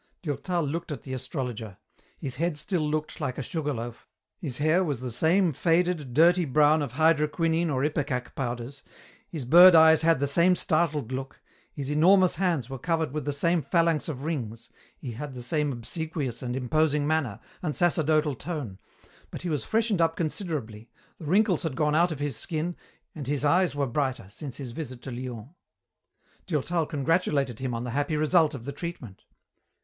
Durtal looked at the astrologer. His head still looked like a sugar loaf, his hair was the same faded, dirty brown of hydroquinine or ipecac powders, his bird eyes had the same startled look, his enormous hands were covered with the same phalanx of rings, he had the same obsequious and imposing manner, and sacerdotal tone, but he was freshened up considerably, the wrinkles had gone out of his skin, and his eyes were brighter, since his visit to Lyons. Durtal congratulated him on the happy result of the treatment.